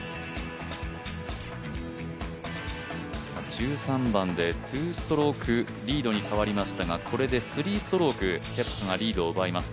１３番で２ストロークリードに変わりましたがこれで３ストローク、ケプカがリードを奪います。